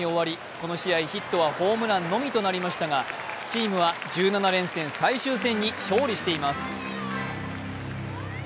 この試合、ヒットはホームランのみとなりましたがチームは１７連戦最終戦に勝利しています。